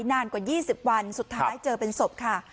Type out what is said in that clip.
นานกว่า๒๐วันสุดท้ายเจอเป็นศพค่ะ